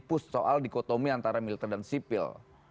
kita tertipu soal dikotomi antara militer dan sipil